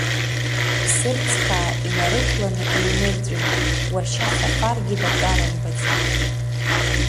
Ԥсырӡхаа инарықәланы еимырҵәеит, уашьа Сафаргьы датәарымбаӡеит.